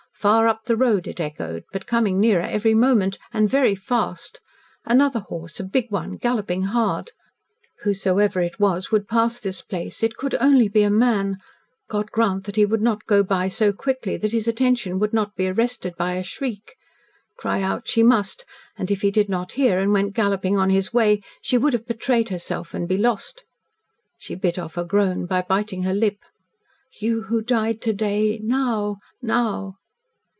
Far up the road it echoed, but coming nearer every moment, and very fast. Another horse a big one galloping hard. Whosoever it was would pass this place; it could only be a man God grant that he would not go by so quickly that his attention would not be arrested by a shriek! Cry out she must and if he did not hear and went galloping on his way she would have betrayed herself and be lost. She bit off a groan by biting her lip. "You who died to day now now!"